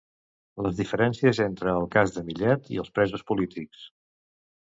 Les diferències entre el cas de Millet i els presos polítics.